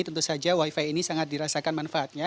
tentu saja wifi ini sangat dirasakan manfaatnya